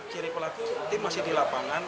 ciri pelaku tim masih di lapangan